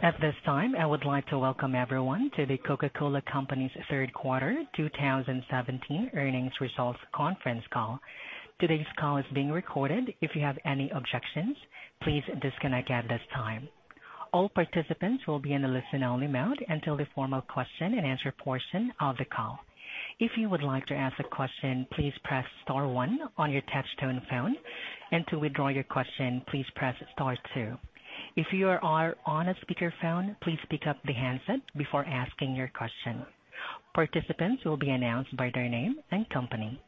At this time, I would like to welcome everyone to The Coca-Cola Company's third quarter 2017 earnings results conference call. Today's call is being recorded. If you have any objections, please disconnect at this time. All participants will be in a listen-only mode until the formal question and answer portion of the call. If you would like to ask a question, please press star one on your touch-tone phone. To withdraw your question, please press star two. If you are on a speakerphone, please pick up the handset before asking your question. Participants will be announced by their name and company.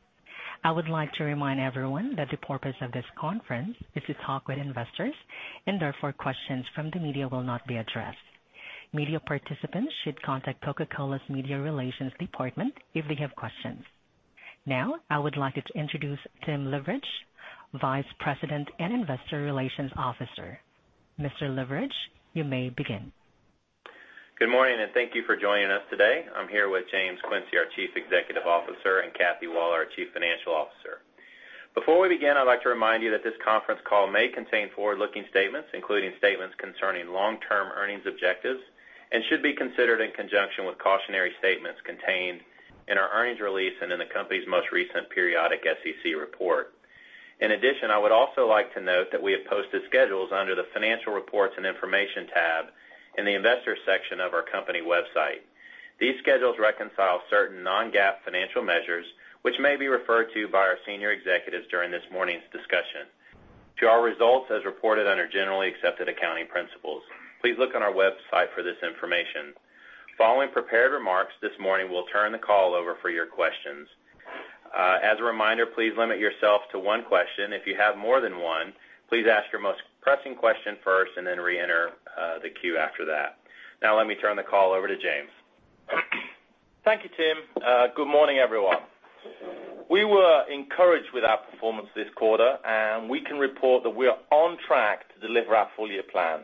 I would like to remind everyone that the purpose of this conference is to talk with investors. Therefore, questions from the media will not be addressed. Media participants should contact Coca-Cola's media relations department if they have questions. Now, I would like to introduce Tim Leveridge, Vice President and Investor Relations Officer. Mr. Leveridge, you may begin. Good morning. Thank you for joining us today. I'm here with James Quincey, our Chief Executive Officer, and Kathy Waller, our Chief Financial Officer. Before we begin, I'd like to remind you that this conference call may contain forward-looking statements, including statements concerning long-term earnings objectives. Should be considered in conjunction with cautionary statements contained in our earnings release and in the company's most recent periodic SEC report. In addition, I would also like to note that we have posted schedules under the financial reports and information tab in the investor section of our company website. These schedules reconcile certain non-GAAP financial measures, which may be referred to by our senior executives during this morning's discussion to our results as reported under generally accepted accounting principles. Please look on our website for this information. Following prepared remarks this morning, we'll turn the call over for your questions. As a reminder, please limit yourself to one question. If you have more than one, please ask your most pressing question first. Then reenter the queue after that. Now let me turn the call over to James. Thank you, Tim. Good morning, everyone. We were encouraged with our performance this quarter, and we can report that we are on track to deliver our full-year plan.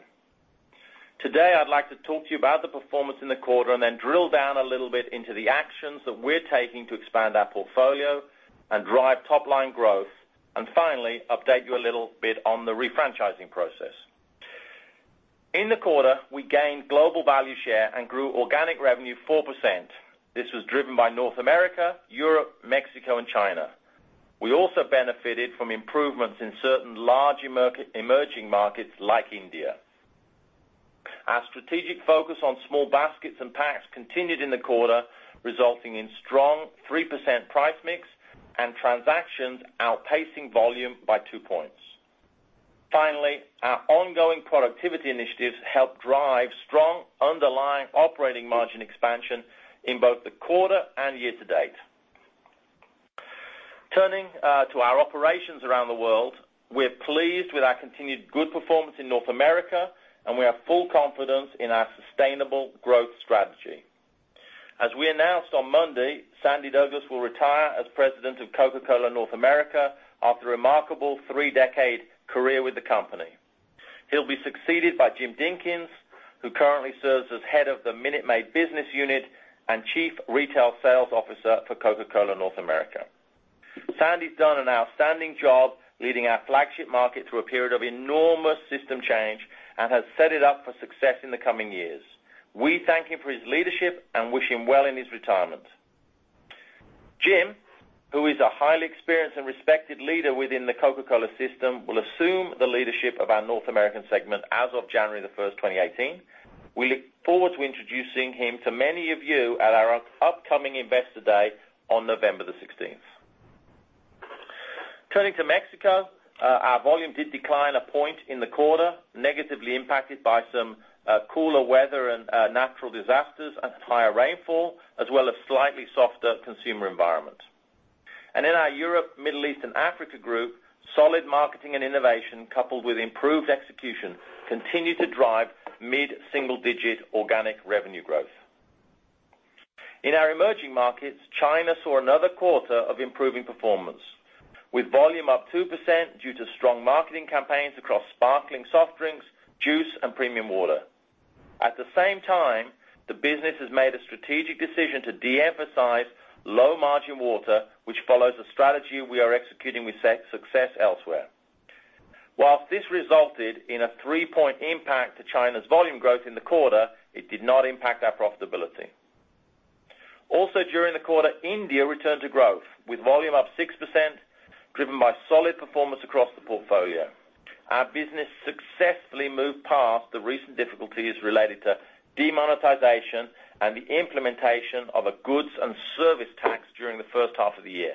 Today, I'd like to talk to you about the performance in the quarter and then drill down a little bit into the actions that we're taking to expand our portfolio and drive top-line growth. Finally, update you a little bit on the refranchising process. In the quarter, we gained global value share and grew organic revenue 4%. This was driven by North America, Europe, Mexico, and China. We also benefited from improvements in certain large emerging markets like India. Our strategic focus on small baskets and packs continued in the quarter, resulting in strong 3% price mix and transactions outpacing volume by two points. Finally, our ongoing productivity initiatives helped drive strong underlying operating margin expansion in both the quarter and year-to-date. Turning to our operations around the world, we're pleased with our continued good performance in North America, and we have full confidence in our sustainable growth strategy. As we announced on Monday, Sandy Douglas will retire as President of Coca-Cola North America after a remarkable three-decade career with the company. He'll be succeeded by Jim Dinkins, who currently serves as head of the Minute Maid business unit and Chief Retail Sales Officer for Coca-Cola North America. Sandy's done an outstanding job leading our flagship market through a period of enormous system change and has set it up for success in the coming years. We thank him for his leadership and wish him well in his retirement. Jim, who is a highly experienced and respected leader within the Coca-Cola system, will assume the leadership of our North American segment as of January 1st, 2018. We look forward to introducing him to many of you at our upcoming Investor Day on November 16th. Turning to Mexico, our volume did decline a point in the quarter, negatively impacted by some cooler weather and natural disasters and higher rainfall, as well as slightly softer consumer environment. In our Europe, Middle East, and Africa group, solid marketing and innovation, coupled with improved execution, continued to drive mid-single-digit organic revenue growth. In our emerging markets, China saw another quarter of improving performance, with volume up 2% due to strong marketing campaigns across sparkling soft drinks, juice, and premium water. At the same time, the business has made a strategic decision to de-emphasize low-margin water, which follows the strategy we are executing with success elsewhere. Whilst this resulted in a three-point impact to China's volume growth in the quarter, it did not impact our profitability. Also, during the quarter, India returned to growth, with volume up 6%, driven by solid performance across the portfolio. Our business successfully moved past the recent difficulties related to demonetization and the implementation of a Goods and Services Tax during the first half of the year.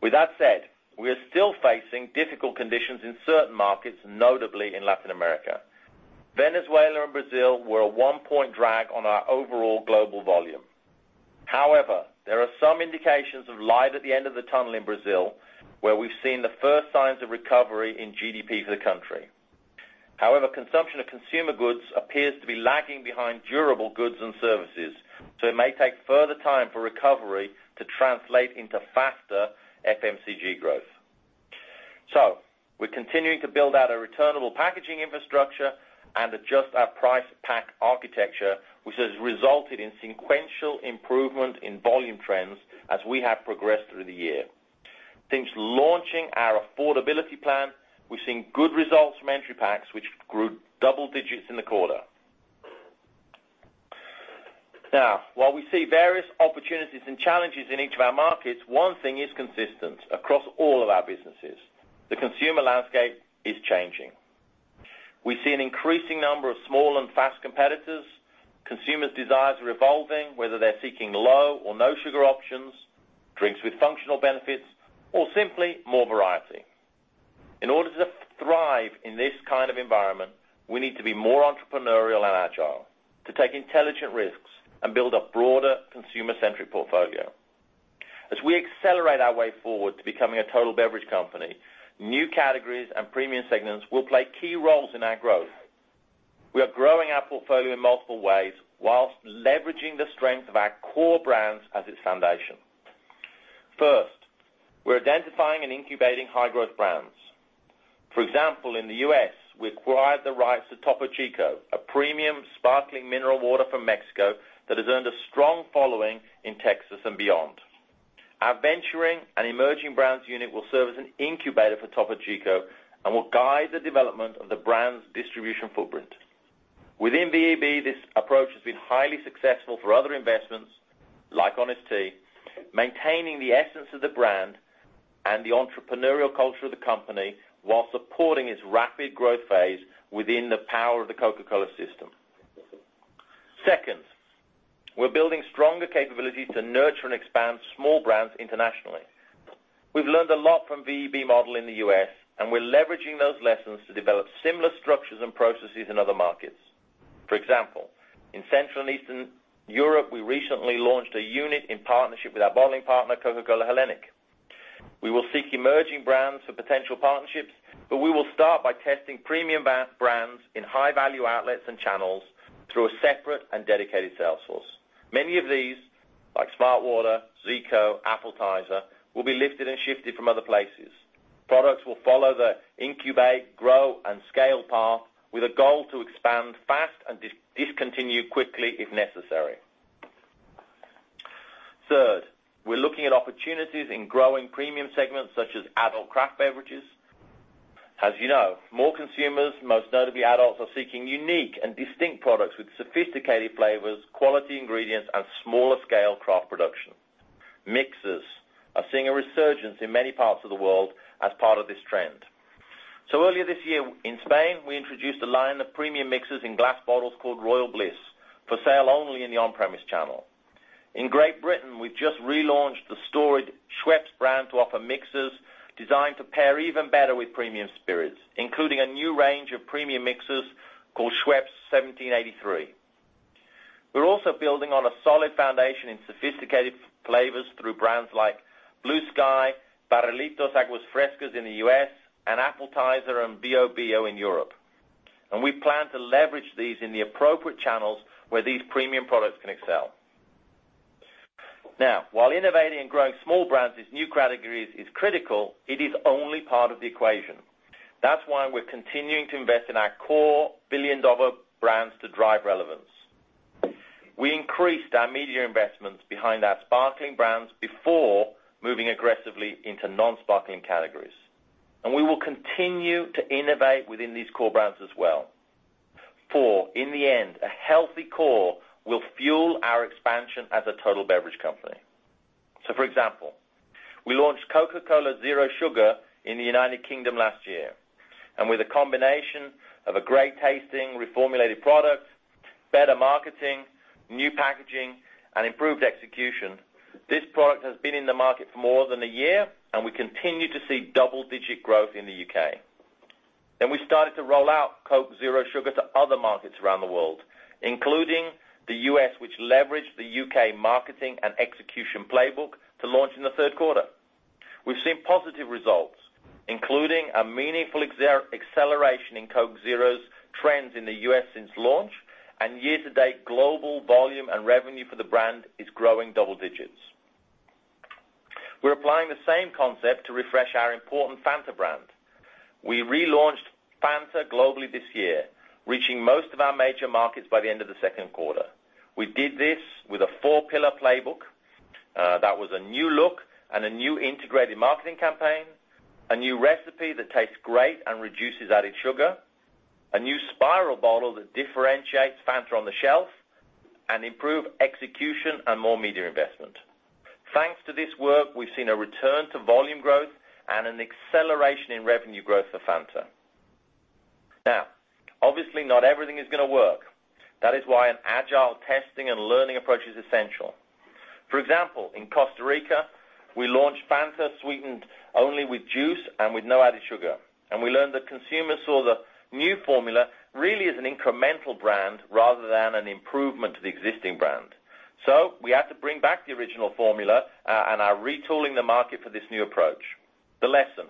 With that said, we are still facing difficult conditions in certain markets, notably in Latin America. Venezuela and Brazil were a one-point drag on our overall global volume. However, there are some indications of light at the end of the tunnel in Brazil, where we've seen the first signs of recovery in GDP for the country. However, consumption of consumer goods appears to be lagging behind durable goods and services, so it may take further time for recovery to translate into faster FMCG growth. We're continuing to build out a returnable packaging infrastructure and adjust our price pack architecture, which has resulted in sequential improvement in volume trends as we have progressed through the year. Since launching our affordability plan, we've seen good results from entry packs, which grew double digits in the quarter. While we see various opportunities and challenges in each of our markets, one thing is consistent across all of our businesses. The consumer landscape is changing. We see an increasing number of small and fast competitors. Consumers' desires are evolving, whether they're seeking low or no sugar options, drinks with functional benefits, or simply more variety. In order to thrive in this kind of environment, we need to be more entrepreneurial and agile, to take intelligent risks and build a broader consumer-centric portfolio. As we accelerate our way forward to becoming a total beverage company, new categories and premium segments will play key roles in our growth. We are growing our portfolio in multiple ways whilst leveraging the strength of our core brands as its foundation. First, we're identifying and incubating high-growth brands. For example, in the U.S., we acquired the rights to Topo Chico, a premium sparkling mineral water from Mexico that has earned a strong following in Texas and beyond. Our Venturing and Emerging Brands unit will serve as an incubator for Topo Chico and will guide the development of the brand's distribution footprint. Within VEB, this approach has been highly successful for other investments, like Honest Tea, maintaining the essence of the brand and the entrepreneurial culture of the company while supporting its rapid growth phase within the power of The Coca-Cola Company system. Second, we're building stronger capabilities to nurture and expand small brands internationally. We've learned a lot from VEB model in the U.S., and we're leveraging those lessons to develop similar structures and processes in other markets. For example, in Central and Eastern Europe, we recently launched a unit in partnership with our bottling partner, Coca-Cola Hellenic. We will seek emerging brands for potential partnerships, but we will start by testing premium brands in high-value outlets and channels through a separate and dedicated sales force. Many of these, like smartwater, ZICO, Appletiser, will be lifted and shifted from other places. Products will follow the incubate, grow, and scale path with a goal to expand fast and discontinue quickly if necessary. Third, we're looking at opportunities in growing premium segments such as adult craft beverages. As you know, more consumers, most notably adults, are seeking unique and distinct products with sophisticated flavors, quality ingredients, and smaller scale craft production. Mixers are seeing a resurgence in many parts of the world as part of this trend. Earlier this year in Spain, we introduced a line of premium mixers in glass bottles called Royal Bliss for sale only in the on-premise channel. In Great Britain, we've just relaunched the storied Schweppes brand to offer mixers designed to pair even better with premium spirits, including a new range of premium mixers called Schweppes 1783. We're also building on a solid foundation in sophisticated flavors through brands like Blue Sky, Barrilitos Aguas Frescas in the U.S., and Appletiser and Bio Bio in Europe. We plan to leverage these in the appropriate channels where these premium products can excel. Now, while innovating and growing small brands as new categories is critical, it is only part of the equation. That's why we're continuing to invest in our core billion-dollar brands to drive relevance. We increased our media investments behind our sparkling brands before moving aggressively into non-sparkling categories. We will continue to innovate within these core brands as well, for in the end, a healthy core will fuel our expansion as a total beverage company. For example, we launched Coca-Cola Zero Sugar in the United Kingdom last year. With a combination of a great tasting reformulated product, better marketing, new packaging, and improved execution, this product has been in the market for more than a year, and we continue to see double-digit growth in the U.K. We started to roll out Coke Zero Sugar to other markets around the world, including the U.S., which leveraged the U.K. marketing and execution playbook to launch in the third quarter. We've seen positive results, including a meaningful acceleration in Coke Zero's trends in the U.S. since launch, and year-to-date, global volume and revenue for the brand is growing double digits. We're applying the same concept to refresh our important Fanta brand. We relaunched Fanta globally this year, reaching most of our major markets by the end of the second quarter. We did this with a four-pillar playbook, that was a new look and a new integrated marketing campaign, a new recipe that tastes great and reduces added sugar, a new spiral bottle that differentiates Fanta on the shelf, and improved execution and more media investment. Thanks to this work, we've seen a return to volume growth and an acceleration in revenue growth for Fanta. Now, obviously, not everything is going to work. That is why an agile testing and learning approach is essential. For example, in Costa Rica, we launched Fanta sweetened only with juice and with no added sugar. We learned that consumers saw the new formula really as an incremental brand rather than an improvement to the existing brand. We had to bring back the original formula, and are retooling the market for this new approach. The lesson.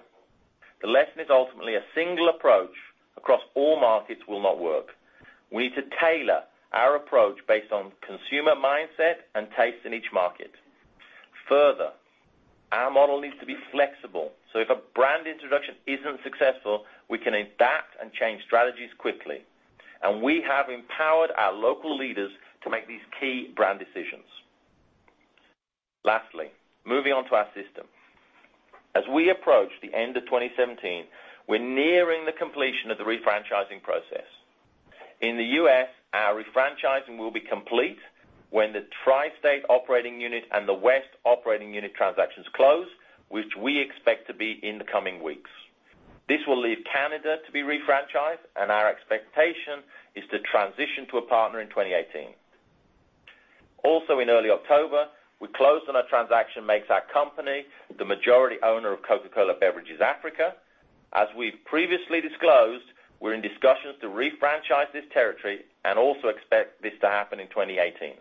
The lesson is ultimately a single approach across all markets will not work. We need to tailor our approach based on consumer mindset and taste in each market. Further, our model needs to be flexible, so if a brand introduction isn't successful, we can adapt and change strategies quickly. We have empowered our local leaders to make these key brand decisions. Lastly, moving on to our system. As we approach the end of 2017, we're nearing the completion of the refranchising process. In the U.S., our refranchising will be complete when the Tri-State Operating Unit and the West Operating Unit transactions close, which we expect to be in the coming weeks. This will leave Canada to be refranchised, and our expectation is to transition to a partner in 2018. In early October, we closed on a transaction makes our company the majority owner of Coca-Cola Beverages Africa. As we've previously disclosed, we're in discussions to refranchise this territory and also expect this to happen in 2018.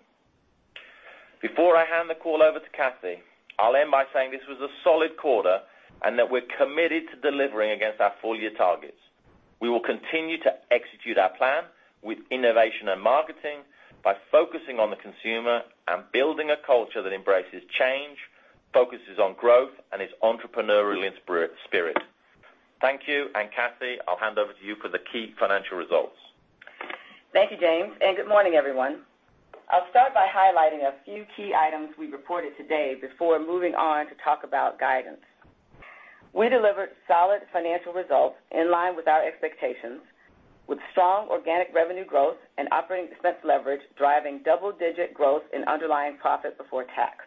Before I hand the call over to Kathy, I'll end by saying this was a solid quarter and that we're committed to delivering against our full-year targets. We will continue to execute our plan with innovation and marketing by focusing on the consumer and building a culture that embraces change, focuses on growth, and is entrepreneurial in spirit. Thank you. Kathy, I'll hand over to you for the key financial results. Thank you, James, and good morning, everyone. I'll start by highlighting a few key items we reported today before moving on to talk about guidance. We delivered solid financial results in line with our expectations, with strong organic revenue growth and operating expense leverage, driving double-digit growth in underlying profit before tax.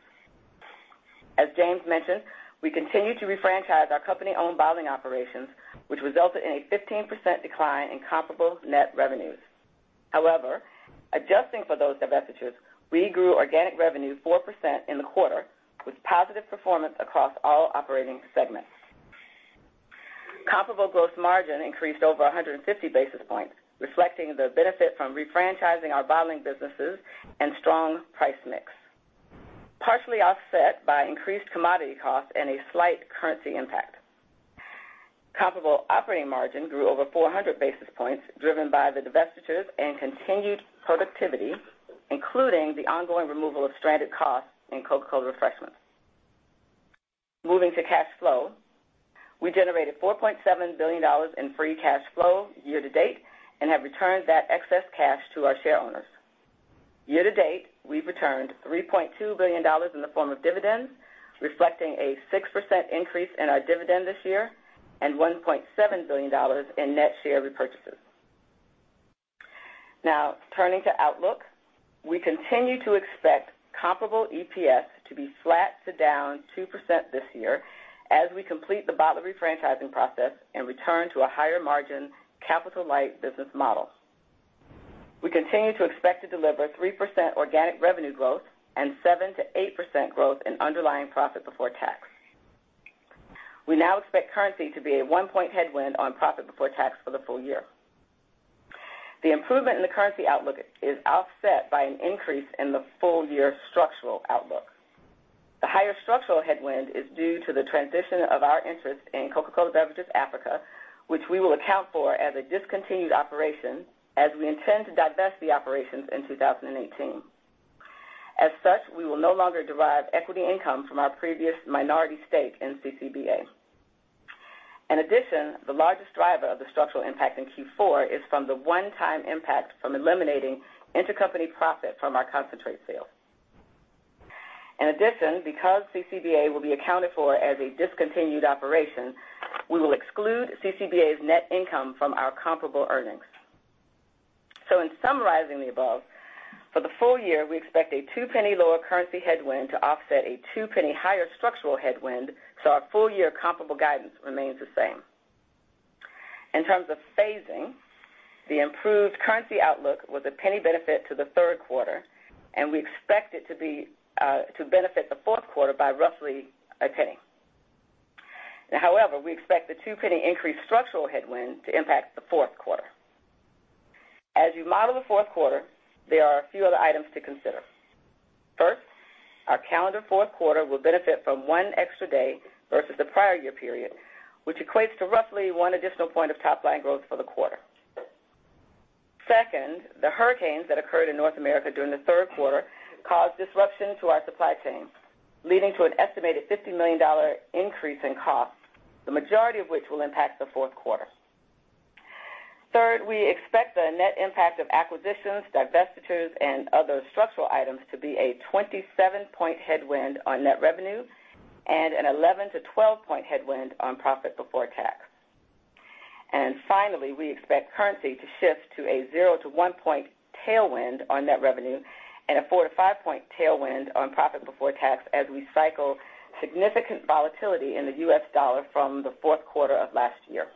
As James mentioned, we continue to refranchise our company-owned bottling operations, which resulted in a 15% decline in comparable net revenues. However, adjusting for those divestitures, we grew organic revenue 4% in the quarter, with positive performance across all operating segments. Comparable gross margin increased over 150 basis points, reflecting the benefit from refranchising our bottling businesses and strong price mix, partially offset by increased commodity costs and a slight currency impact. Comparable operating margin grew over 400 basis points, driven by the divestitures and continued productivity, including the ongoing removal of stranded costs in Coca-Cola Refreshments. Moving to cash flow, we generated $4.7 billion in free cash flow year-to-date and have returned that excess cash to our shareowners. Year-to-date, we've returned $3.2 billion in the form of dividends, reflecting a 6% increase in our dividend this year and $1.7 billion in net share repurchases. Now, turning to outlook, we continue to expect comparable EPS to be flat to down 2% this year as we complete the bottler refranchising process and return to a higher margin, capital-light business model. We continue to expect to deliver 3% organic revenue growth and 7%-8% growth in underlying profit before tax. We now expect currency to be a one-point headwind on profit before tax for the full year. The improvement in the currency outlook is offset by an increase in the full-year structural outlook. The higher structural headwind is due to the transition of our interest in Coca-Cola Beverages Africa, which we will account for as a discontinued operation, as we intend to divest the operations in 2018. As such, we will no longer derive equity income from our previous minority stake in CCBA. In addition, the largest driver of the structural impact in Q4 is from the one-time impact from eliminating intercompany profit from our concentrate sales. In addition, because CCBA will be accounted for as a discontinued operation, we will exclude CCBA's net income from our comparable earnings. In summarizing the above, for the full year, we expect a two-penny lower currency headwind to offset a two-penny higher structural headwind, Our full-year comparable guidance remains the same. In terms of phasing, the improved currency outlook was a penny benefit to the third quarter, and we expect it to benefit the fourth quarter by roughly a penny. However, we expect the two-penny increased structural headwind to impact the fourth quarter. As you model the fourth quarter, there are a few other items to consider. First, our calendar fourth quarter will benefit from one extra day versus the prior year period, which equates to roughly one additional point of top-line growth for the quarter. Second, the hurricanes that occurred in North America during the third quarter caused disruption to our supply chain, leading to an estimated $50 million increase in costs, the majority of which will impact the fourth quarter. Third, we expect the net impact of acquisitions, divestitures, and other structural items to be a 27-point headwind on net revenue and an 11 to 12-point headwind on profit before tax. Finally, we expect currency to shift to a zero to one-point tailwind on net revenue and a four to five-point tailwind on profit before tax as we cycle significant volatility in the US dollar from the fourth quarter of last year.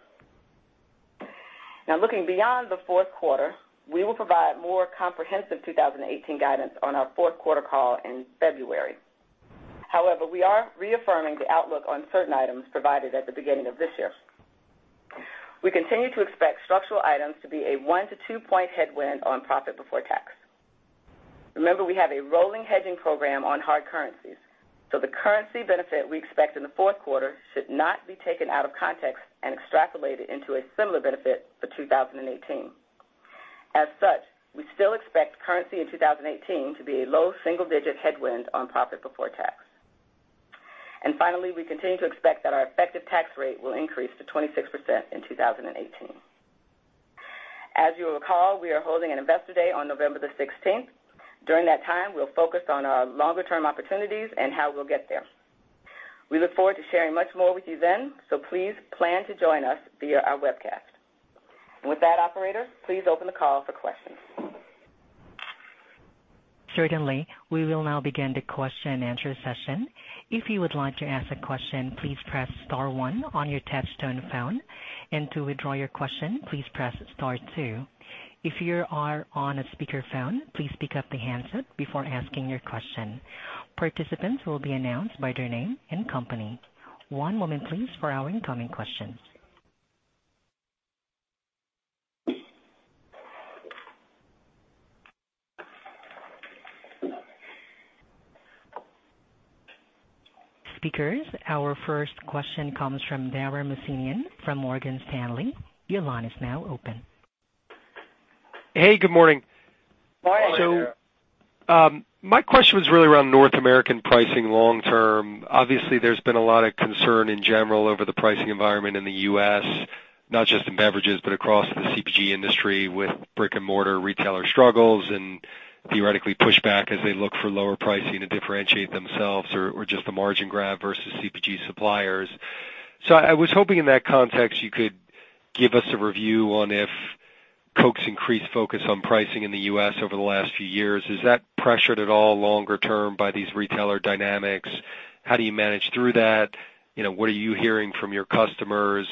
Looking beyond the fourth quarter, we will provide more comprehensive 2018 guidance on our fourth quarter call in February. However, we are reaffirming the outlook on certain items provided at the beginning of this year. We continue to expect structural items to be a one to two-point headwind on profit before tax. Remember, we have a rolling hedging program on hard currencies, the currency benefit we expect in the fourth quarter should not be taken out of context and extrapolated into a similar benefit for 2018. As such, we still expect currency in 2018 to be a low single-digit headwind on profit before tax. Finally, we continue to expect that our effective tax rate will increase to 26% in 2018. As you will recall, we are holding an investor day on November the 16th. During that time, we'll focus on our longer-term opportunities and how we'll get there. We look forward to sharing much more with you then, please plan to join us via our webcast. With that, operator, please open the call for questions. Certainly. We will now begin the question and answer session. If you would like to ask a question, please press star one on your touch-tone phone. To withdraw your question, please press star two. If you are on a speakerphone, please pick up the handset before asking your question. Participants will be announced by their name and company. One moment, please, for our incoming questions. Speakers, our first question comes from Dara Mohsenian from Morgan Stanley. Your line is now open. Hey, good morning. Good morning, Dara. My question was really around North American pricing long term. Obviously, there's been a lot of concern in general over the pricing environment in the U.S., not just in beverages, but across the CPG industry with brick-and-mortar retailer struggles and theoretically pushback as they look for lower pricing to differentiate themselves or just the margin grab versus CPG suppliers. I was hoping in that context you could give us a review on if Coke's increased focus on pricing in the U.S. over the last few years, is that pressured at all longer term by these retailer dynamics? How do you manage through that? What are you hearing from your customers?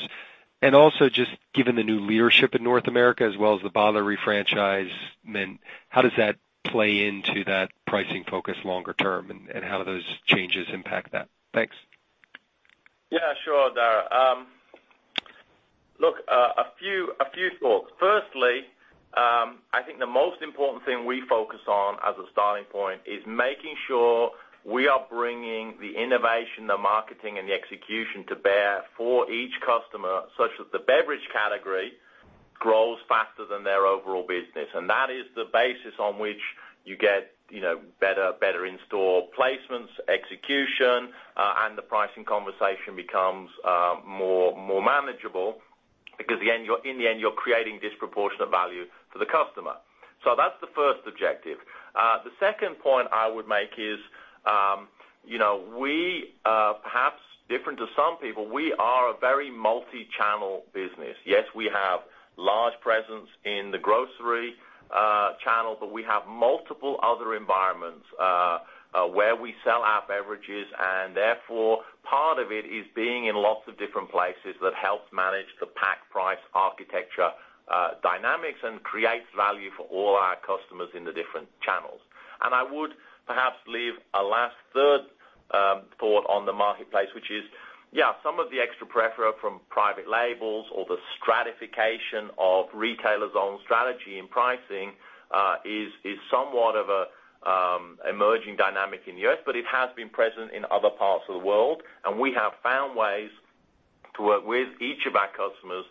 Also just given the new leadership in North America as well as the bottler refranchisement, how does that play into that pricing focus longer term, and how do those changes impact that? Thanks. Sure, Dara. Look, a few thoughts. Firstly, I think the most important thing we focus on as a starting point is making sure we are bringing the innovation, the marketing, and the execution to bear for each customer, such that the beverage category grows faster than their overall business. That is the basis on which you get better in-store placements, execution, and the pricing conversation becomes more manageable because in the end, you're creating disproportionate value for the customer. That's the first objective. The second point I would make is perhaps different to some people, we are a very multi-channel business. Yes, we have large presence in the grocery channel, but we have multiple other environments where we sell our beverages, and therefore, part of it is being in lots of different places that helps manage the pack price architecture dynamics and creates value for all our customers in the different channels. I would perhaps leave a last third thought on the marketplace, which is, Some of the extra pressure from private labels or the stratification of retailers' own strategy and pricing is somewhat of an emerging dynamic in the U.S., but it has been present in other parts of the world, and we have found ways to work with each of our customers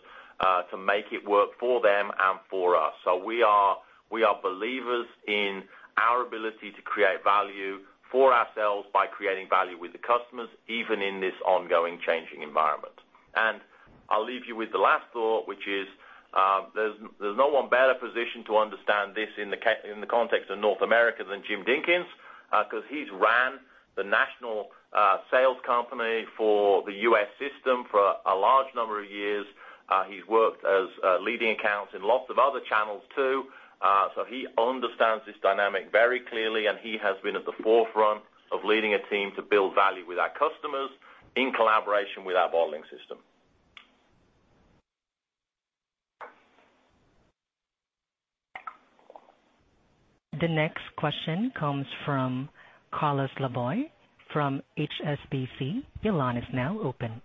to make it work for them and for us. We are believers in our ability to create value for ourselves by creating value with the customers, even in this ongoing changing environment. I'll leave you with the last thought, which is, there's no one better positioned to understand this in the context of North America than Jim Dinkins, because he's ran the national sales company for the U.S. system for a large number of years. He's worked as leading accounts in lots of other channels too. He understands this dynamic very clearly, and he has been at the forefront of leading a team to build value with our customers in collaboration with our bottling system. The next question comes from Carlos Laboy from HSBC. Your line is now open.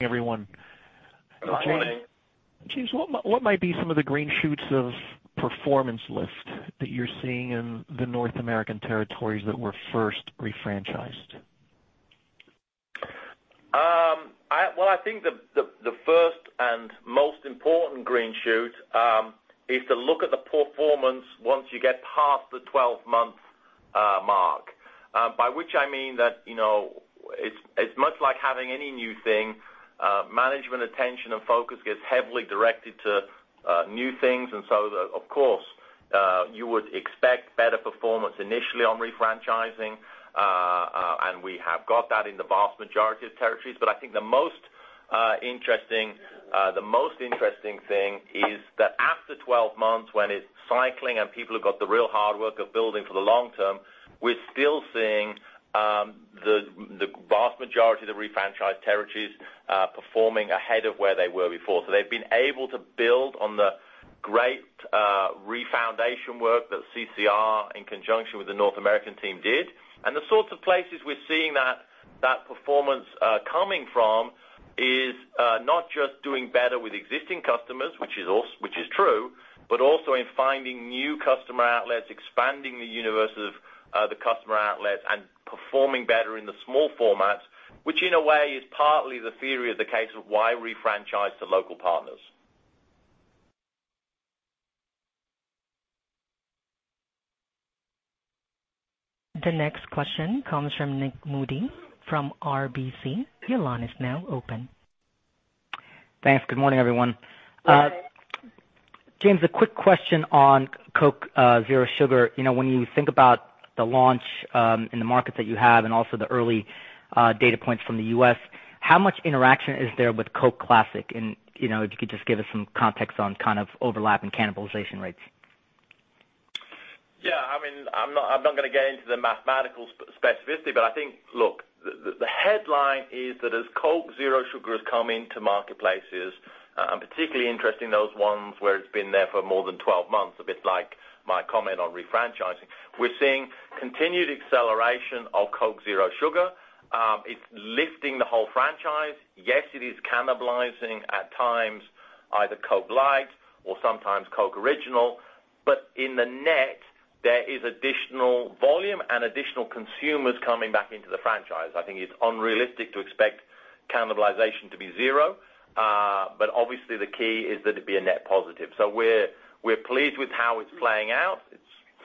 Everyone. Good morning. James, what might be some of the green shoots of performance lift that you're seeing in the North American territories that were first refranchised? I think the first and most important green shoot is to look at the performance once you get past the 12-month mark. By which I mean that it's much like having any new thing, management attention and focus gets heavily directed to new things. Of course, you would expect better performance initially on refranchising. We have got that in the vast majority of territories. I think the most interesting thing is that after 12 months when it's cycling and people have got the real hard work of building for the long term, we're still seeing the vast majority of the refranchised territories performing ahead of where they were before. They've been able to build on the great refoundation work that CCR in conjunction with the North American team did. The sorts of places we're seeing that performance coming from is not just doing better with existing customers, which is true, but also in finding new customer outlets, expanding the universe of the customer outlets, and performing better in the small formats, which in a way is partly the theory of the case of why refranchise to local partners. The next question comes from Nik Modi from RBC. Your line is now open. Thanks. Good morning, everyone. Good morning. James, a quick question on Coke Zero Sugar. When you think about the launch in the market that you have and also the early data points from the U.S., how much interaction is there with Coca-Cola Classic? If you could just give us some context on kind of overlap and cannibalization rates. Yeah. I'm not going to get into the mathematical specificity, but I think, look, the headline is that as Coke Zero Sugar has come into marketplaces, I'm particularly interested in those ones where it's been there for more than 12 months, a bit like my comment on refranchising. We're seeing continued acceleration of Coke Zero Sugar. It's lifting the whole franchise. Yes, it is cannibalizing, at times, either Coke Light or sometimes Coke Original. In the net, there is additional volume and additional consumers coming back into the franchise. I think it's unrealistic to expect cannibalization to be zero. Obviously the key is that it be a net positive. We're pleased with how it's playing out. It's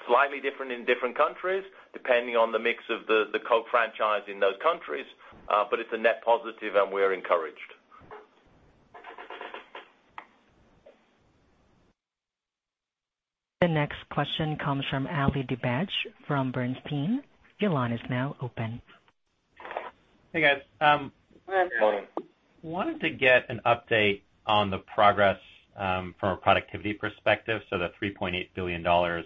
slightly different in different countries, depending on the mix of the Coke franchise in those countries. It's a net positive, and we're encouraged. The next question comes from Ali Dibadj from Bernstein. Your line is now open. Hey, guys. Good morning. Wanted to get an update on the progress from a productivity perspective. The $3.8 billion that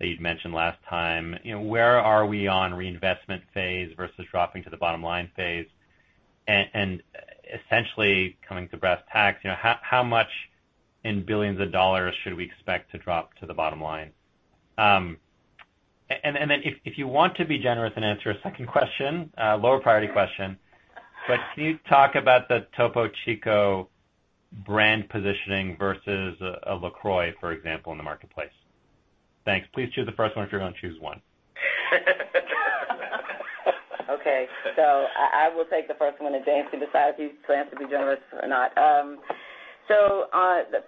you'd mentioned last time. Where are we on reinvestment phase versus dropping to the bottom line phase? Essentially coming to brass tacks, how much in billions of dollars should we expect to drop to the bottom line? If you want to be generous and answer a second question, lower priority question, can you talk about the Topo Chico brand positioning versus a LaCroix, for example, in the marketplace? Thanks. Please choose the first one if you're going to choose one. I will take the first one, and James can decide if he plans to be generous or not.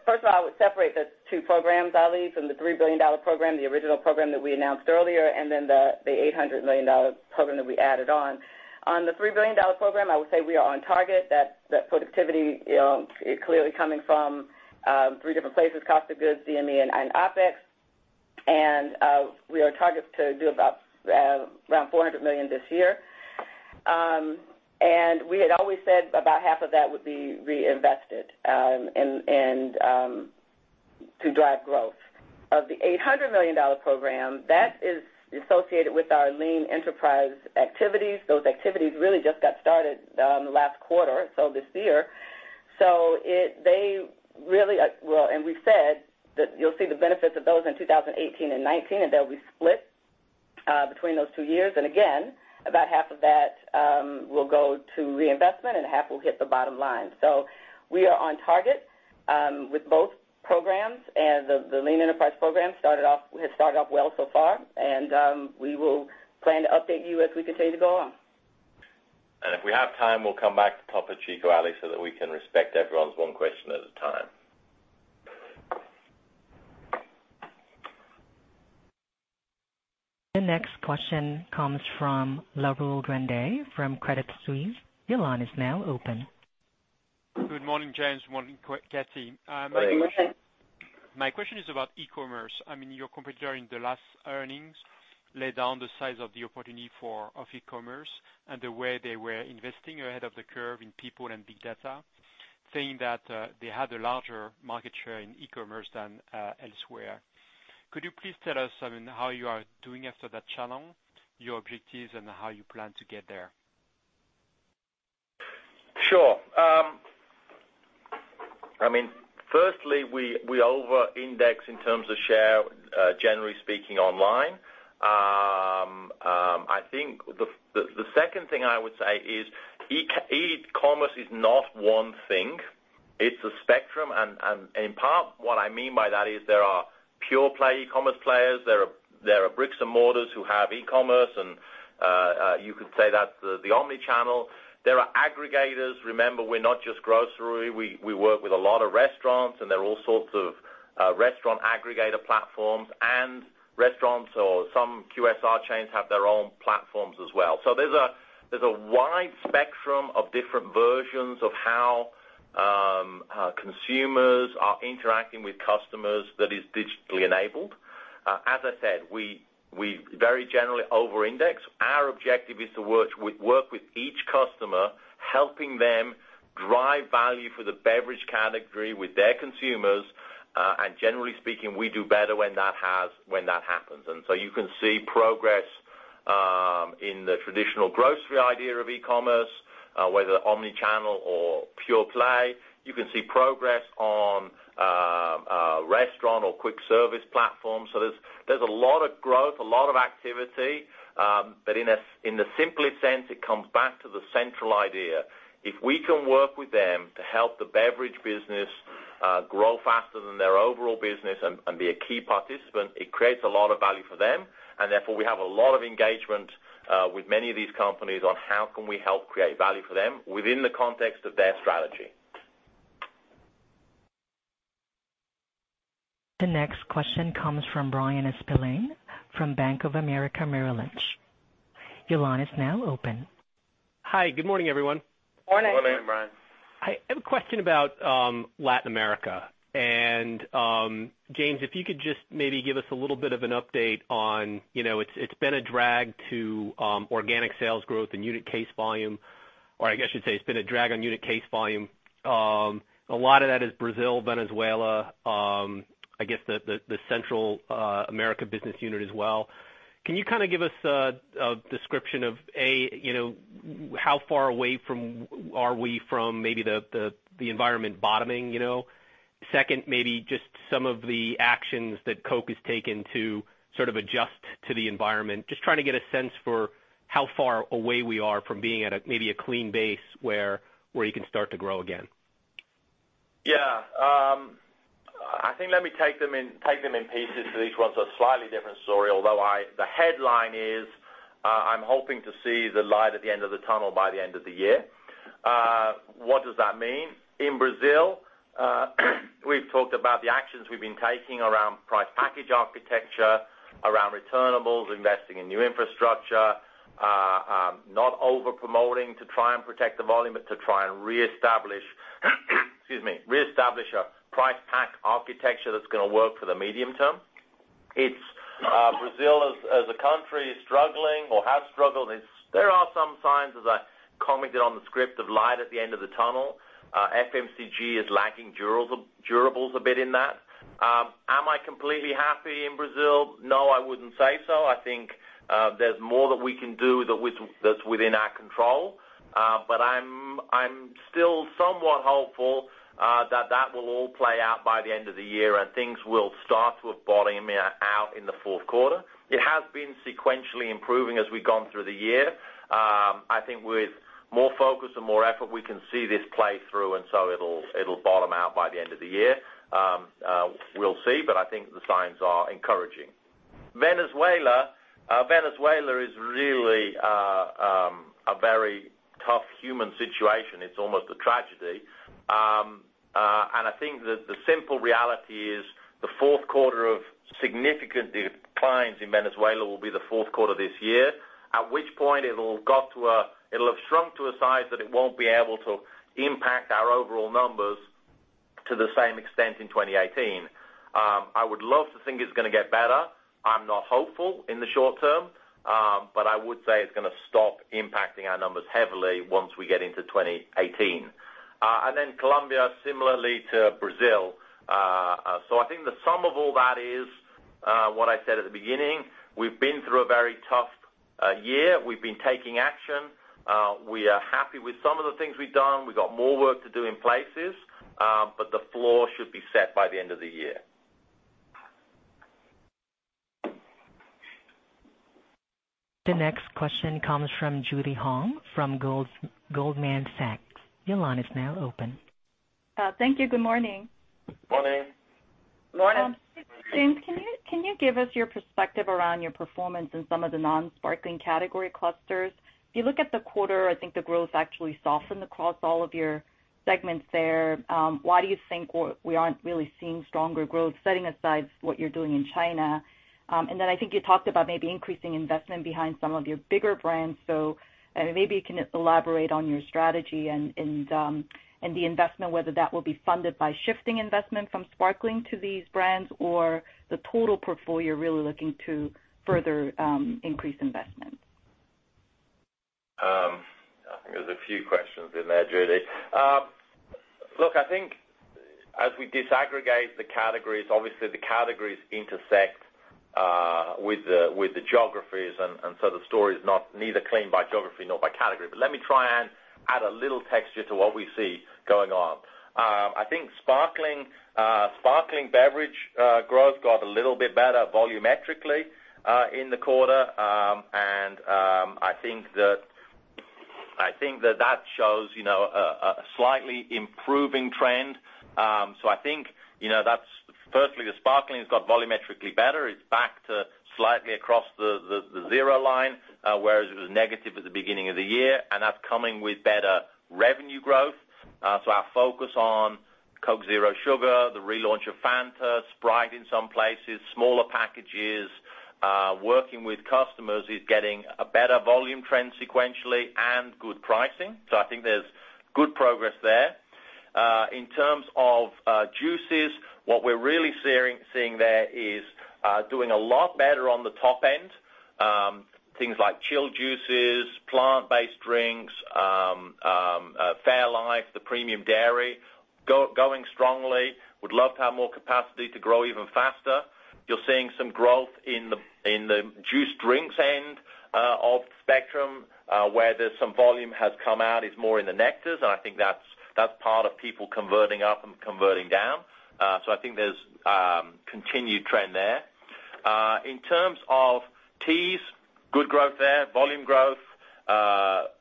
First of all, I would separate the two programs, Ali, from the $3 billion program, the original program that we announced earlier, and the $800 million program that we added on. On the $3 billion program, I would say we are on target. That productivity is clearly coming from three different places, cost of goods, CME and OpEx. We are targeted to do about around $400 million this year. We had always said about half of that would be reinvested to drive growth. Of the $800 million program, that is associated with our lean enterprise activities. Those activities really just got started in the last quarter, this year. We said that you'll see the benefits of those in 2018 and 2019, and they'll be split between those two years. Again, about half of that will go to reinvestment and half will hit the bottom line. We are on target with both programs, and the lean enterprise program has started off well so far, and we will plan to update you as we continue to go on. If we have time, we'll come back to Topo Chico, Ali, so that we can respect everyone's one question at a time. The next question comes from Laurent Grandet from Credit Suisse. Your line is now open. Good morning, James. Morning, Kathy. Morning. My question is about e-commerce. Your competitor in the last earnings laid down the size of the opportunity of e-commerce and the way they were investing ahead of the curve in people and big data, saying that they had a larger market share in e-commerce than elsewhere. Could you please tell us how you are doing after that channel, your objectives, and how you plan to get there? Sure. Firstly, we over-index in terms of share, generally speaking, online. I think the second thing I would say is e-commerce is not one thing. It's a spectrum, and in part, what I mean by that is there are pure-play e-commerce players. There are bricks and mortars who have e-commerce, and you could say that's the omni-channel. There are aggregators. Remember, we're not just grocery. We work with a lot of restaurants, and there are all sorts of restaurant aggregator platforms, and restaurants or some QSR chains have their own platforms as well. So there's a wide spectrum of different versions of how consumers are interacting with customers that is digitally enabled. As I said, we very generally over-index. Our objective is to work with each customer, helping them drive value for the beverage category with their consumers. Generally speaking, we do better when that happens. You can see progress in the traditional grocery idea of e-commerce, whether omni-channel or pure play. You can see progress on restaurant or quick service platforms. There's a lot of growth, a lot of activity. In the simplest sense, it comes back to the central idea. If we can work with them to help the beverage business grow faster than their overall business and be a key participant, it creates a lot of value for them. We have a lot of engagement with many of these companies on how can we help create value for them within the context of their strategy. The next question comes from Bryan Spillane from Bank of America Merrill Lynch. Your line is now open. Hi, good morning, everyone. Morning. Morning, Bryan. I have a question about Latin America. James, if you could just maybe give us a little bit of an update on, it's been a drag to organic sales growth and unit case volume, or I guess I should say it's been a drag on unit case volume. A lot of that is Brazil, Venezuela, I guess the Central America business unit as well. Can you give us a description of, A, how far away are we from maybe the environment bottoming? Second, maybe just some of the actions that Coke has taken to adjust to the environment. Just trying to get a sense for how far away we are from being at a maybe a clean base where you can start to grow again. I think let me take them in pieces, each one's a slightly different story, although the headline is, I'm hoping to see the light at the end of the year. What does that mean? In Brazil, we've talked about the actions we've been taking around price package architecture, around returnables, investing in new infrastructure, not over-promoting to try and protect the volume, but to try and reestablish a price pack architecture that's going to work for the medium term. Brazil, as a country, is struggling or has struggled. There are some signs, as I commented on the script, of light at the end of the tunnel. FMCG is lacking durables a bit in that. Am I completely happy in Brazil? No, I wouldn't say so. I think there's more that we can do that's within our control. I'm still somewhat hopeful that will all play out by the end of the year and things will start to have bottoming out in the fourth quarter. It has been sequentially improving as we've gone through the year. I think with more focus and more effort, we can see this play through, it'll bottom out by the end of the year. We'll see, I think the signs are encouraging. Venezuela is really a very tough human situation. It's almost a tragedy. I think that the simple reality is the fourth quarter of significant declines in Venezuela will be the fourth quarter of this year, at which point it'll have shrunk to a size that it won't be able to impact our overall numbers to the same extent in 2018. I would love to think it's going to get better. I'm not hopeful in the short term. I would say it's going to stop impacting our numbers heavily once we get into 2018. Colombia, similarly to Brazil. I think the sum of all that is what I said at the beginning. We've been through a very tough year. We've been taking action. We are happy with some of the things we've done. We've got more work to do in places, the floor should be set by the end of the year. The next question comes from Judy Hong from Goldman Sachs. Your line is now open. Thank you. Good morning. Morning. Morning. James, can you give us your perspective around your performance in some of the non-sparkling category clusters? If you look at the quarter, I think the growth actually softened across all of your segments there. Why do you think we aren't really seeing stronger growth, setting aside what you're doing in China? I think you talked about maybe increasing investment behind some of your bigger brands. Maybe you can elaborate on your strategy and the investment, whether that will be funded by shifting investment from sparkling to these brands or the total portfolio really looking to further increase investment. I think there's a few questions in there, Judy. Look, I think as we disaggregate the categories, obviously the categories intersect with the geographies, the story is neither clean by geography nor by category. Let me try and add a little texture to what we see going on. I think sparkling beverage growth got a little bit better volumetrically in the quarter, and I think that shows a slightly improving trend. I think, firstly, the sparkling's got volumetrically better. It's back to slightly across the zero line, whereas it was negative at the beginning of the year, and that's coming with better revenue growth. Our focus on Coke Zero Sugar, the relaunch of Fanta, Sprite in some places, smaller packages, working with customers is getting a better volume trend sequentially and good pricing. I think there's good progress there. In terms of juices, what we're really seeing there is doing a lot better on the top end. Things like chilled juices, plant-based drinks, fairlife, the premium dairy, going strongly. Would love to have more capacity to grow even faster. You're seeing some growth in the juice drinks end of the spectrum, where there's some volume has come out is more in the nectars. I think that's part of people converting up and converting down. I think there's continued trend there. In terms of teas, good growth there. Volume growth,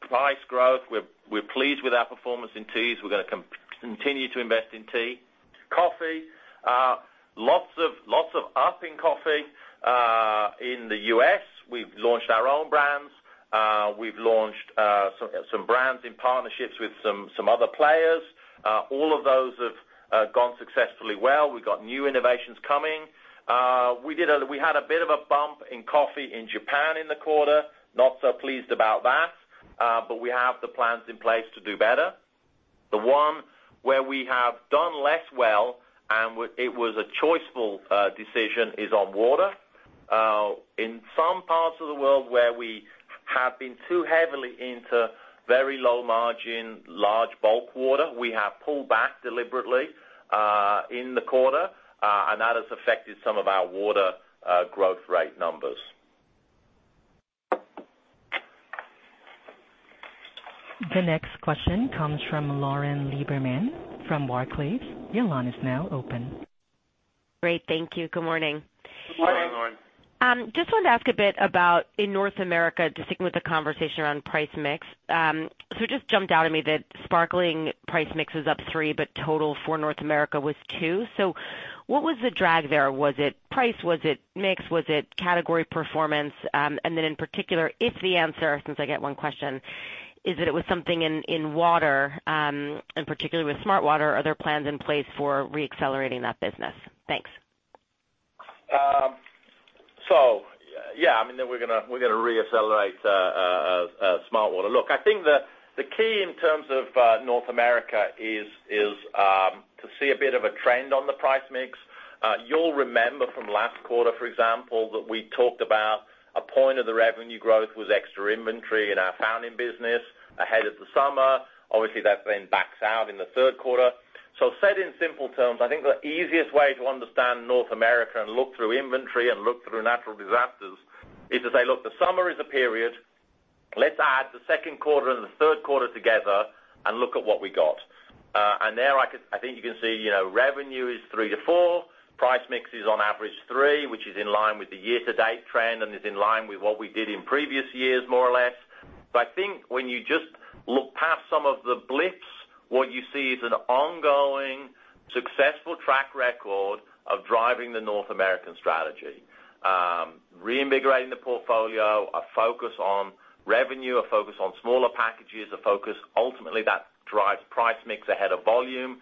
price growth. We're pleased with our performance in teas. We're going to continue to invest in tea. Coffee. Lots of up in coffee. In the U.S., we've launched our own brands. We've launched some brands in partnerships with some other players. All of those have gone successfully well. We've got new innovations coming. We had a bit of a bump in coffee in Japan in the quarter, not so pleased about that. We have the plans in place to do better. The one where we have done less well, and it was a choiceful decision, is on water. In some parts of the world where we have been too heavily into very low margin, large bulk water, we have pulled back deliberately in the quarter. That has affected some of our water growth rate numbers. The next question comes from Lauren Lieberman from Barclays. Your line is now open. Great. Thank you. Good morning. Good morning, Lauren. Just wanted to ask a bit about in North America, just sticking with the conversation around price mix. It just jumped out at me that sparkling price mix was up three, but total for North America was two. What was the drag there? Was it price? Was it mix? Was it category performance? Then in particular, if the answer, since I get one question, is that it was something in water, and particularly with smartwater, are there plans in place for re-accelerating that business? Thanks. Yeah. We're going to re-accelerate smartwater. Look, I think the key in terms of North America is to see a bit of a trend on the price mix. You'll remember from last quarter, for example, that we talked about a point of the revenue growth was extra inventory in our fountain business ahead of the summer. Obviously, that then backs out in the third quarter. Said in simple terms, I think the easiest way to understand North America and look through inventory and look through natural disasters is to say, "Look, the summer is a period. Let's add the second quarter and the third quarter together and look at what we got." There, I think you can see, revenue is three to four. Price mix is on average three, which is in line with the year-to-date trend and is in line with what we did in previous years, more or less. I think when you just look past some of the blips, what you see is an ongoing, successful track record of driving the North American strategy. Reinvigorating the portfolio, a focus on revenue, a focus on smaller packages, a focus, ultimately, that drives price mix ahead of volume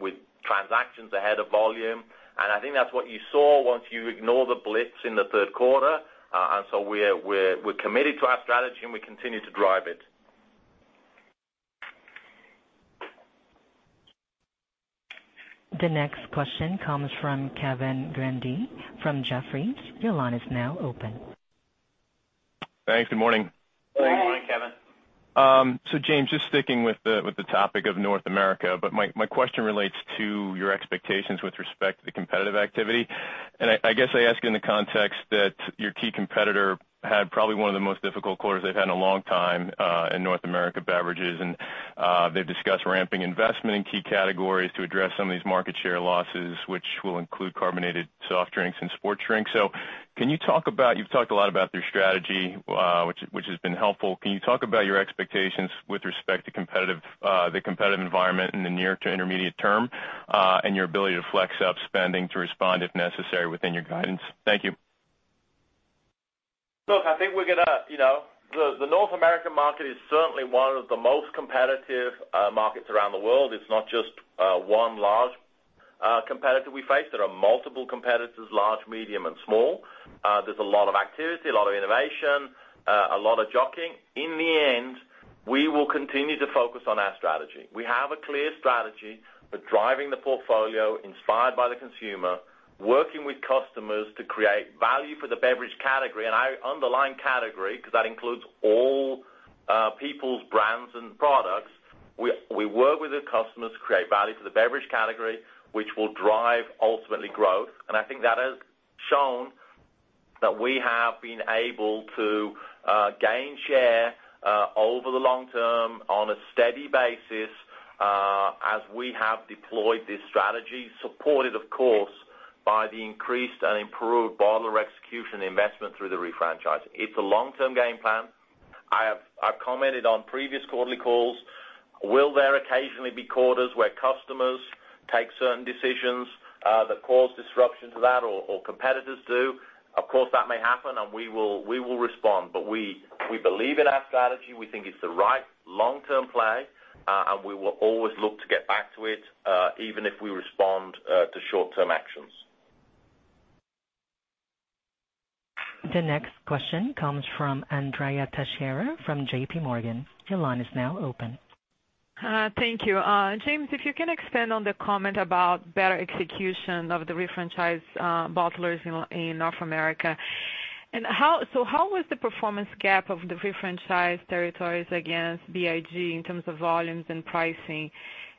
with transactions ahead of volume. I think that's what you saw once you ignore the blips in the third quarter. So we're committed to our strategy, and we continue to drive it. The next question comes from Kevin Grundy from Jefferies. Your line is now open. Thanks. Good morning. Good morning, Kevin. James, just sticking with the topic of North America, but my question relates to your expectations with respect to the competitive activity. I guess I ask you in the context that your key competitor had probably one of the most difficult quarters they've had in a long time in North America Beverages. They've discussed ramping investment in key categories to address some of these market share losses, which will include carbonated soft drinks and sports drinks. You've talked a lot about their strategy, which has been helpful. Can you talk about your expectations with respect to the competitive environment in the near to intermediate term, and your ability to flex up spending to respond if necessary within your guidance? Thank you. Look, the North American market is certainly one of the most competitive markets around the world. It's not just one large competitor we face. There are multiple competitors, large, medium and small. There's a lot of activity, a lot of innovation, a lot of jockeying. In the end, we will continue to focus on our strategy. We have a clear strategy for driving the portfolio inspired by the consumer, working with customers to create value for the beverage category. I underline category because that includes all people's brands and products. We work with the customers to create value for the beverage category, which will drive ultimately growth. I think that has shown that we have been able to gain share over the long term on a steady basis as we have deployed this strategy, supported, of course, by the increased and improved bottler execution investment through the refranchise. It's a long-term game plan. I've commented on previous quarterly calls. Will there occasionally be quarters where customers take certain decisions that cause disruption to that or competitors do? Of course, that may happen, and we will respond. We believe in our strategy. We think it's the right long-term play. We will always look to get back to it, even if we respond to short-term actions. The next question comes from Andrea Teixeira from J.P. Morgan. Your line is now open. Thank you. James, if you can expand on the comment about better execution of the refranchise bottlers in North America. How was the performance gap of the refranchise territories against BIG in terms of volumes and pricing?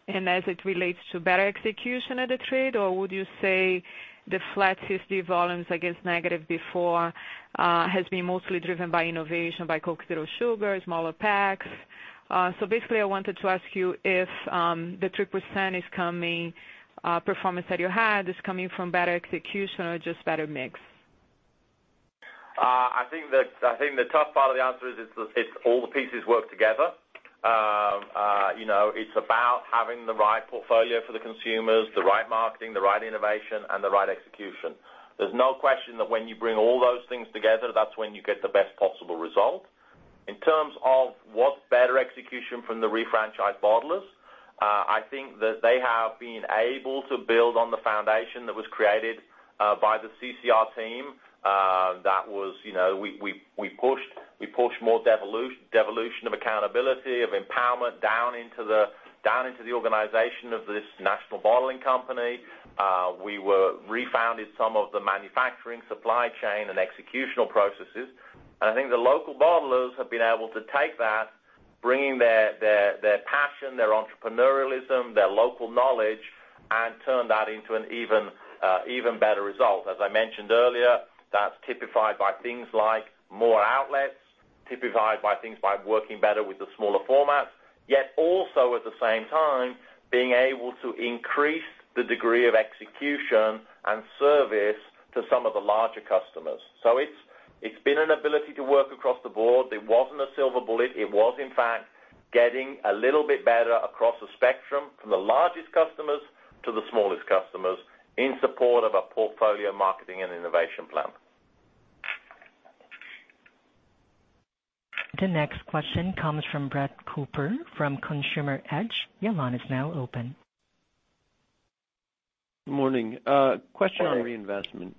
As it relates to better execution at the trade, or would you say the flat 50 volumes against negative before has been mostly driven by innovation by Coke Zero Sugar, smaller packs? Basically, I wanted to ask you if the 3% performance that you had is coming from better execution or just better mix. I think the tough part of the answer is it's all the pieces work together. It's about having the right portfolio for the consumers, the right marketing, the right innovation, and the right execution. There's no question that when you bring all those things together, that's when you get the best possible result. In terms of what's better execution from the refranchised bottlers, I think that they have been able to build on the foundation that was created by the CCR team. We pushed more devolution of accountability, of empowerment down into the organization of this national bottling company. We refounded some of the manufacturing, supply chain, and executional processes. I think the local bottlers have been able to take that, bringing their passion, their entrepreneurialism, their local knowledge, and turn that into an even better result. As I mentioned earlier, that's typified by things like more outlets, typified by things by working better with the smaller formats, yet also at the same time, being able to increase the degree of execution and service to some of the larger customers. It's been an ability to work across the board. It wasn't a silver bullet. It was, in fact, getting a little bit better across the spectrum, from the largest customers to the smallest customers in support of a portfolio marketing and innovation plan. The next question comes from Brett Cooper from Consumer Edge. Your line is now open. Morning. Morning. Question on reinvestment.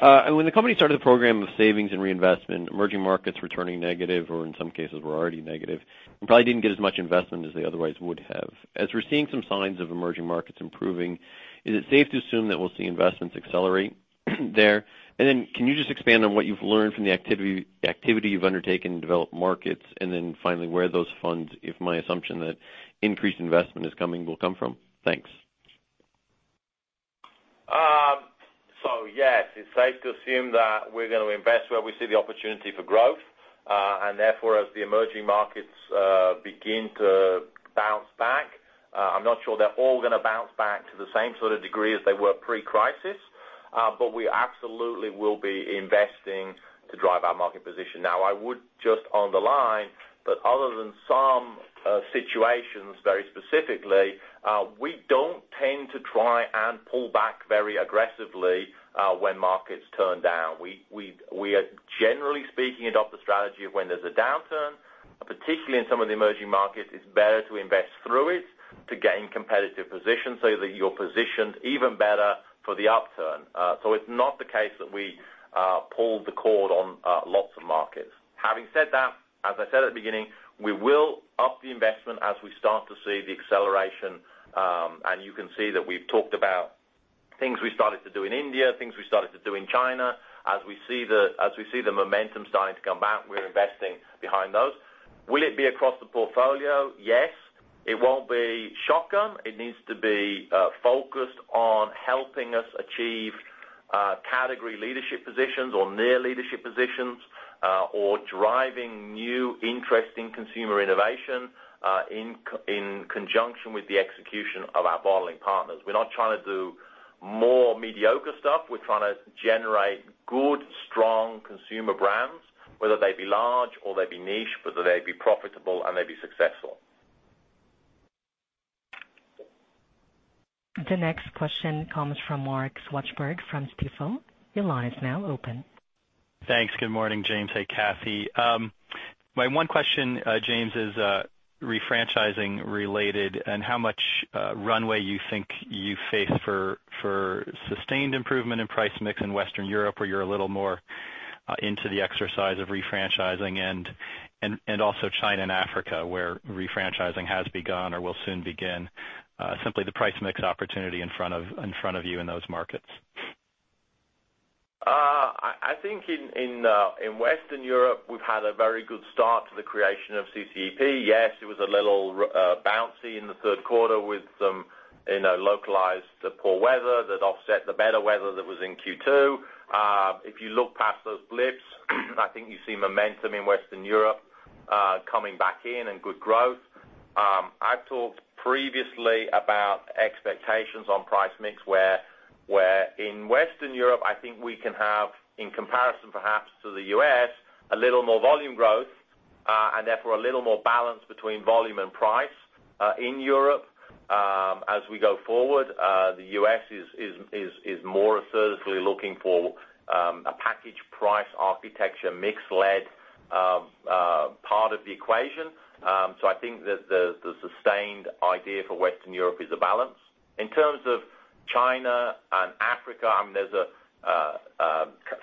When the company started the program of savings and reinvestment, emerging markets were turning negative, or in some cases, were already negative, and probably didn't get as much investment as they otherwise would have. As we're seeing some signs of emerging markets improving, is it safe to assume that we'll see investments accelerate there? Can you just expand on what you've learned from the activity you've undertaken in developed markets? Finally, where those funds, if my assumption that increased investment is coming, will come from. Thanks. Yes, it's safe to assume that we're going to invest where we see the opportunity for growth. Therefore, as the emerging markets begin to bounce back, I'm not sure they're all going to bounce back to the same sort of degree as they were pre-crisis. We absolutely will be investing to drive our market position. I would just underline that other than some situations very specifically, we don't tend to try and pull back very aggressively when markets turn down. We are generally speaking, adopt the strategy of when there's a downturn, and particularly in some of the emerging markets, it's better to invest through it to gain competitive position so that you're positioned even better for the upturn. It's not the case that we pulled the cord on lots of markets. Having said that, as I said at the beginning, we will up the investment as we start to see the acceleration. You can see that we've talked about things we started to do in India, things we started to do in China. As we see the momentum starting to come back, we're investing behind those. Will it be across the portfolio? Yes. It won't be shotgun. It needs to be focused on helping us achieve category leadership positions or near leadership positions, or driving new interesting consumer innovation in conjunction with the execution of our bottling partners. We're not trying to do more mediocre stuff. We're trying to generate good, strong consumer brands, whether they be large or they be niche, whether they be profitable and they be successful. The next question comes from Mark Swartzberg from Stifel. Your line is now open. Thanks. Good morning, James. Hey, Kathy. My one question, James, is refranchising related and how much runway you think you face for sustained improvement in price mix in Western Europe, where you're a little more into the exercise of refranchising, and also China and Africa, where refranchising has begun or will soon begin. Simply the price mix opportunity in front of you in those markets. I think in Western Europe, we've had a very good start to the creation of CCEP. Yes, it was a little bouncy in the third quarter with some localized poor weather that offset the better weather that was in Q2. If you look past those blips, I think you see momentum in Western Europe coming back in and good growth. I've talked previously about expectations on price mix, where in Western Europe, I think we can have, in comparison perhaps to the U.S., a little more volume growth, and therefore a little more balance between volume and price in Europe. As we go forward, the U.S. is more assertively looking for a package price architecture, mix-led part of the equation. I think that the sustained idea for Western Europe is a balance. In terms of China and Africa, there's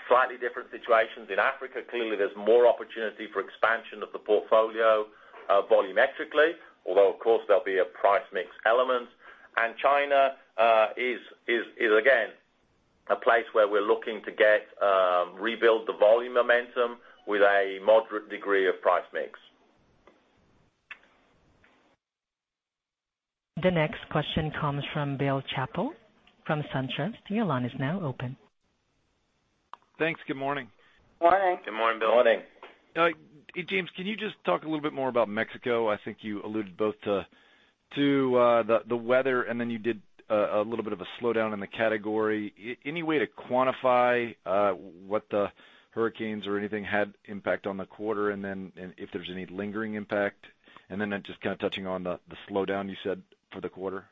slightly different situations. In Africa, clearly, there's more opportunity for expansion of the portfolio volumetrically, although, of course, there'll be a price mix element. China is again, a place where we're looking to rebuild the volume momentum with a moderate degree of price mix. The next question comes from Bill Chappell from SunTrust. Your line is now open. Thanks. Good morning. Morning. Good morning, Bill. Morning. James, can you just talk a little bit more about Mexico? I think you alluded both to the weather, then you did a little bit of a slowdown in the category. Any way to quantify what the hurricanes or anything had impact on the quarter, then if there's any lingering impact? Just touching on the slowdown you said for the quarter.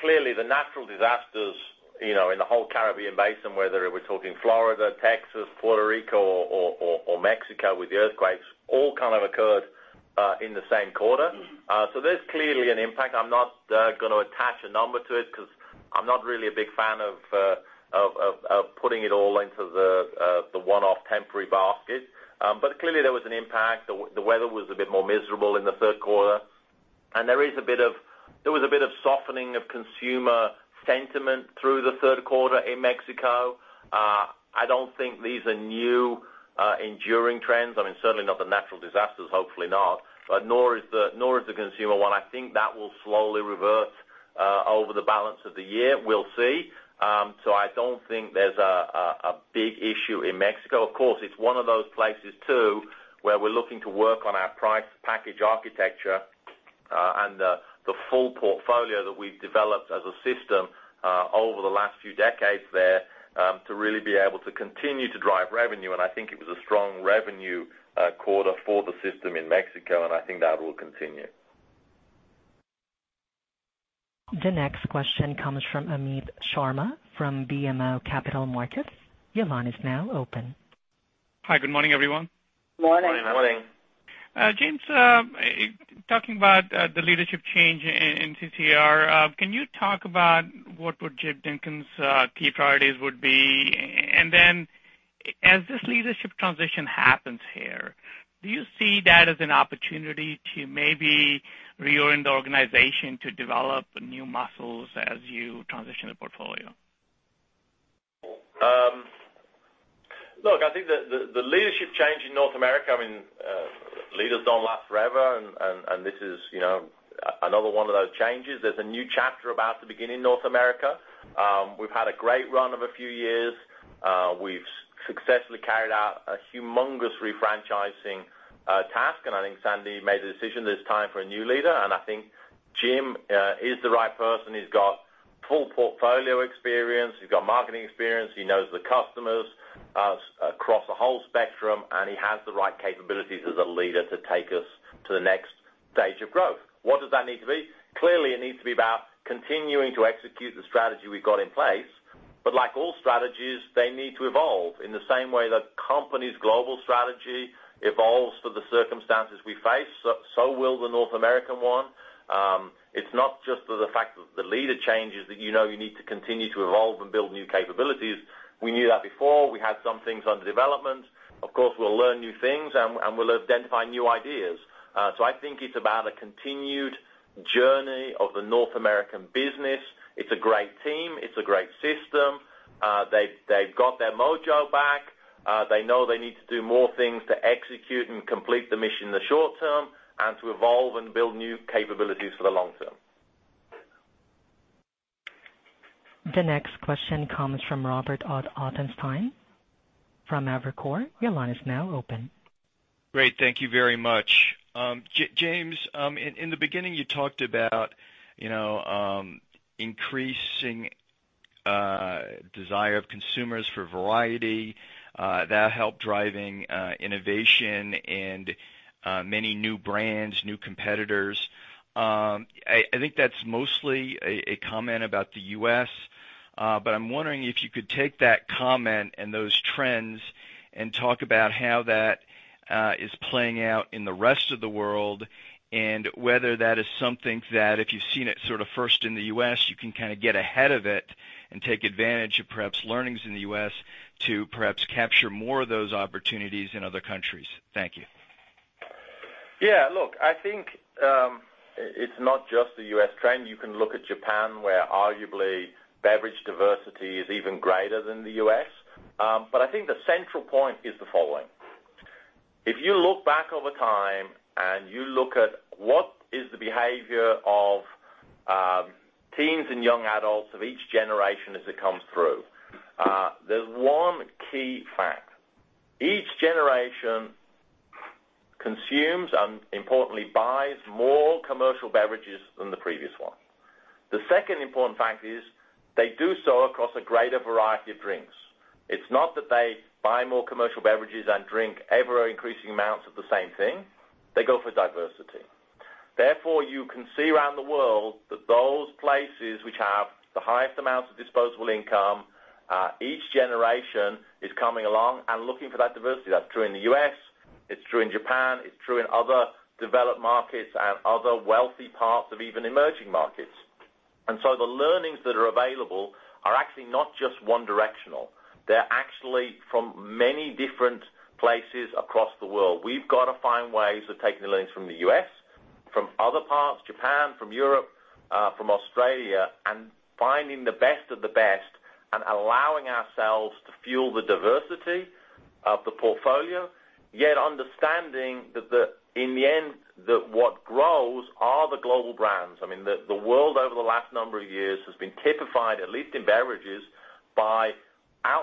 Clearly, the natural disasters in the whole Caribbean Basin, whether we're talking Florida, Texas, Puerto Rico or Mexico with the earthquakes, all occurred in the same quarter. There's clearly an impact. I'm not going to attach a number to it because I'm not really a big fan of putting it all into the one-off temporary basket. Clearly there was an impact. The weather was a bit more miserable in the third quarter, there was a bit of softening of consumer sentiment through the third quarter in Mexico. I don't think these are new, enduring trends. Certainly not the natural disasters, hopefully not. Nor is the consumer one. I think that will slowly revert over the balance of the year. We'll see. I don't think there's a big issue in Mexico. Of course, it's one of those places, too, where we're looking to work on our price package architecture and the full portfolio that we've developed as a system over the last few decades there to really be able to continue to drive revenue. I think it was a strong revenue quarter for the system in Mexico, I think that will continue. The next question comes from Amit Sharma from BMO Capital Markets. Your line is now open. Hi, good morning, everyone. Morning. Morning. James, talking about the leadership change in CCR, can you talk about what would Jim Dinkins' key priorities would be? As this leadership transition happens here, do you see that as an opportunity to maybe reorient the organization to develop new muscles as you transition the portfolio? Look, I think the leadership change in North America, leaders don't last forever, and this is another one of those changes. There's a new chapter about to begin in North America. We've had a great run of a few years. We've successfully carried out a humongous refranchising task, and I think Sandy made the decision that it's time for a new leader, and I think Jim is the right person. He's got full portfolio experience. He's got marketing experience. He knows the customers across the whole spectrum, and he has the right capabilities as a leader to take us to the next stage of growth. What does that need to be? Clearly, it needs to be about continuing to execute the strategy we've got in place. Like all strategies, they need to evolve in the same way the company's global strategy evolves for the circumstances we face, so will the North American one. It's not just the fact that the leader changes that you know you need to continue to evolve and build new capabilities. We knew that before. We had some things under development. Of course, we'll learn new things, and we'll identify new ideas. I think it's about a continued journey of the North American business. It's a great team. It's a great system. They've got their mojo back. They know they need to do more things to execute and complete the mission in the short term and to evolve and build new capabilities for the long term. The next question comes from Robert Ottenstein from Evercore. Your line is now open. Great. Thank you very much. James, in the beginning, you talked about increasing desire of consumers for variety that help driving innovation and many new brands, new competitors. I think that's mostly a comment about the U.S., but I'm wondering if you could take that comment and those trends and talk about how that is playing out in the rest of the world and whether that is something that if you've seen it first in the U.S., you can get ahead of it and take advantage of perhaps learnings in the U.S. to perhaps capture more of those opportunities in other countries. Thank you. Look, I think it's not just the U.S. trend. You can look at Japan, where arguably beverage diversity is even greater than the U.S. I think the central point is the following. If you look back over time and you look at what is the behavior of teens and young adults of each generation as it comes through, there's one key fact. Each generation consumes and importantly buys more commercial beverages than the previous one. The second important fact is they do so across a greater variety of drinks. It's not that they buy more commercial beverages and drink ever-increasing amounts of the same thing. They go for diversity. Therefore, you can see around the world that those places which have the highest amounts of disposable income, each generation is coming along and looking for that diversity. That's true in the U.S., it's true in Japan, it's true in other developed markets and other wealthy parts of even emerging markets. And so the learnings that are available are actually not just one directional. They are actually from many different places across the world. We have got to find ways of taking the learnings from the U.S., from other parts, Japan, from Europe, from Australia, and finding the best of the best and allowing ourselves to fuel the diversity of the portfolio, yet understanding that in the end, that what grows are the global brands. The world over the last number of years has been typified, at least in beverages, by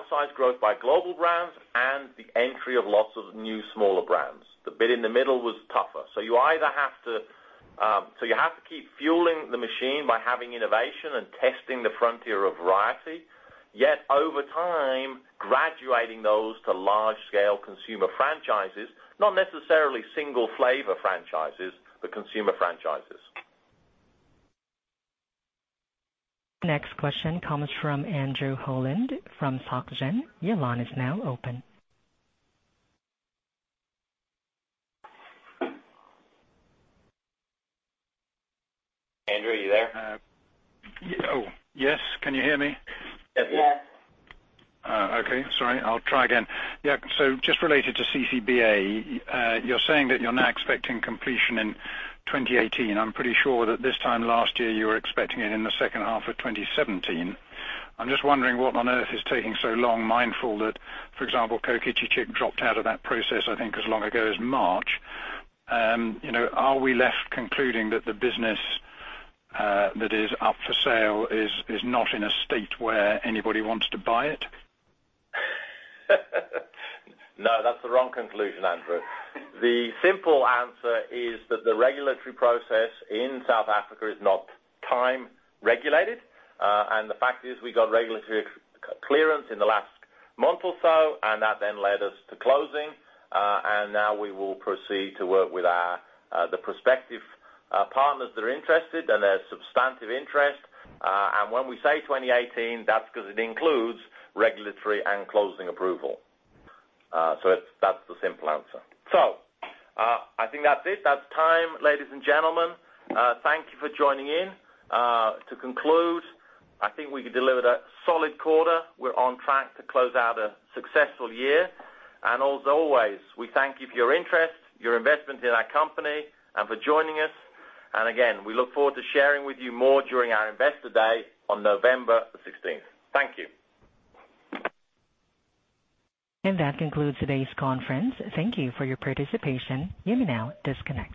size growth by global brands and the entry of lots of new smaller brands. The bit in the middle was tougher. You have to keep fueling the machine by having innovation and testing the frontier of variety, yet over time, graduating those to large-scale consumer franchises, not necessarily single flavor franchises, but consumer franchises. Next question comes from Andrew Holland from SocGen. Your line is now open. Andrew, are you there? Oh, yes. Can you hear me? Yes. Yes. Okay. Sorry, I'll try again. Yeah. Just related to CCBA, you're saying that you're now expecting completion in 2018. I'm pretty sure that this time last year, you were expecting it in the second half of 2017. I'm just wondering what on earth is taking so long, mindful that, for example, Kokichi Chick dropped out of that process, I think, as long ago as March. Are we left concluding that the business that is up for sale is not in a state where anybody wants to buy it? No, that's the wrong conclusion, Andrew. The simple answer is that the regulatory process in South Africa is not time regulated. The fact is we got regulatory clearance in the last month or so, that then led us to closing. Now we will proceed to work with the prospective partners that are interested, there's substantive interest. When we say 2018, that's because it includes regulatory and closing approval. That's the simple answer. I think that's it. That's time, ladies and gentlemen. Thank you for joining in. To conclude, I think we delivered a solid quarter. We're on track to close out a successful year. As always, we thank you for your interest, your investment in our company, and for joining us. Again, we look forward to sharing with you more during our investor day on November the 16th. Thank you. That concludes today's conference. Thank you for your participation. You may now disconnect.